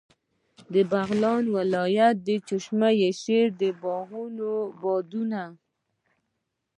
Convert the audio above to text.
د بغلان ولایت د چشم شیر د باغونو بادونه.